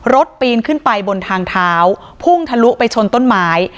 ปีนขึ้นไปบนทางเท้าพุ่งทะลุไปชนต้นไม้